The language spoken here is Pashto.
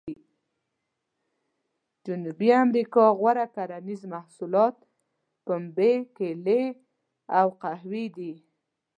جنوبي امریکا غوره کرنیز محصولات پنبې، کېلې او قهوې دي.